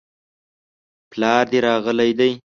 پلار دي راغلی دی؟